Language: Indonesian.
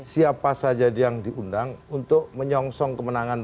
siapa saja yang diundang untuk menyongsong kemenangan dua ribu dua puluh empat